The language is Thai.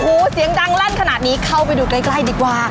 หูเสียงดังลั่นนี้เข้าไปดูใกล้ดีกว่า